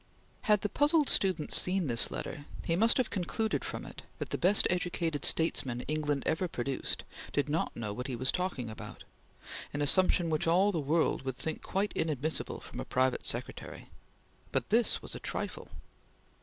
Had the puzzled student seen this letter, he must have concluded from it that the best educated statesman England ever produced did not know what he was talking about, an assumption which all the world would think quite inadmissible from a private secretary but this was a trifle.